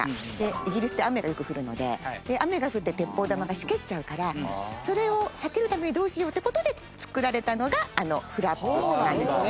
イギリスって雨がよく降るので雨が降って鉄砲玉がしけっちゃうからそれを避けるためにどうしようって事で作られたのがあのフラップなんですね。